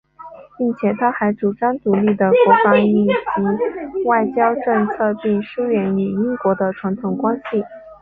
并且他还主张独立的国防及外交政策并疏远与英国的传统关系。